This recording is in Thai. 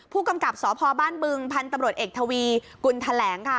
ผู้กำกับสพบ้านบึงพันธุ์ตำรวจเอกทวีกุลแถลงค่ะ